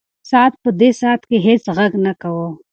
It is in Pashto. ساعت په دې ساعت کې هیڅ غږ نه کاوه.